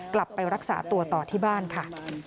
กลับไปรักษาตัวต่อที่บ้านค่ะ